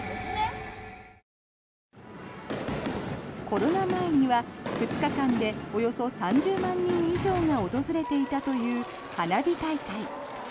コロナ前には２日間でおよそ３０万人以上が訪れていたという花火大会。